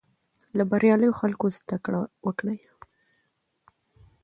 له بریالیو خلکو زده کړه وکړئ.